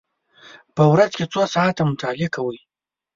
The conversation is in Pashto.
په ورځ کې څو ساعته مطالعه کوئ؟